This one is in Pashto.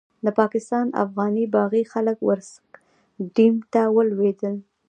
د پاکستان افغاني باغي خلک ورسک ډېم ته ولوېدل.